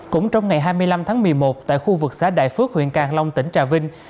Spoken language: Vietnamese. cũng trong ngày hai mươi năm tháng một mươi một tại khu vực xã đại phước huyện càng long tỉnh trà vinh